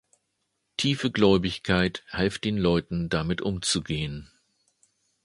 Tiefe Gläubigkeit half den Leuten damit umzugehen.